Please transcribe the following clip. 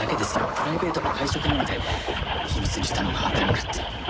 プライベートな会食なので秘密にしたのがあだになって。